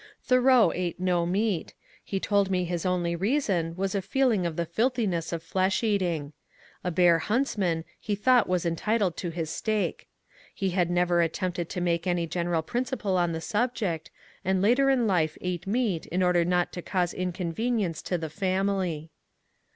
Thoreau ate no meat ; he told tne his only reason was a feeling of the filthiness of flesh eating. A bear huntsman he thought was entitled to his steak. He had never attempted to ^ make any general principle on the subject, and later in life ate i^ meat in order not to cause inconvenience to the family.